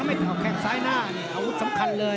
เอาแข้งซ้ายหน้าอาวุธสำคัญเลย